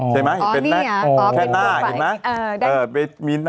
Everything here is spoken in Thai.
ใช่ไหมเป็นหน้าเห็นไหม